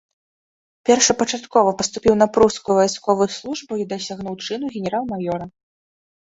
Першапачаткова паступіў на прускую вайсковую службу і дасягнуў чыну генерал-маёра.